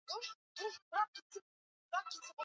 Madume yenye maambukizi ya ugonjwa wa kutupa mimba